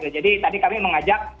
jadi tadi kami mengajak